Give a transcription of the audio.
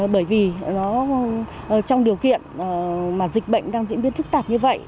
bởi vì trong điều kiện mà dịch bệnh đang diễn biến thức tạp như vậy